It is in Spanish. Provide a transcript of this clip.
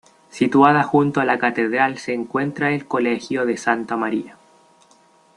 Situada junto a la catedral se encuentra el colegio de Santa María.